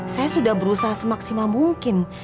saya sudah berusaha semaksimal mungkin